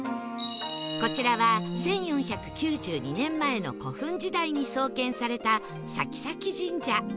こちらは１４９２年前の古墳時代に創建された咲前神社